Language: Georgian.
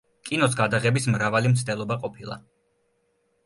კინოს გადაღების მრავალი მცდელობა ყოფილა.